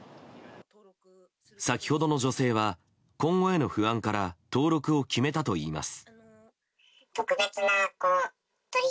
先ほどの女性は今後への不安から登録を決めたといいます。